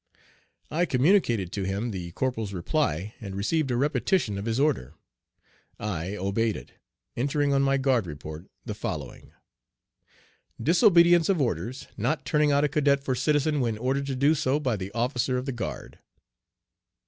I communicated to him the corporal's reply, and received a repetition of his order. I obeyed it, entering on my guard report the following: ", disobedience of orders, not turning out a cadet for citizen when ordered to do so by the officer of the guard."